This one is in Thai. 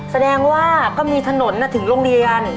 แสดงว่าก็มีถนนถึงโรงเรียน